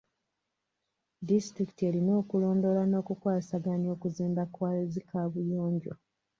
Disitulikiti erina okulondoola n'okukwasaganya okuzimba kwa zi kaabuyonjo.